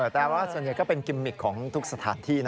แต่ว่าส่วนใหญ่ก็เป็นกิมมิกของทุกสถานที่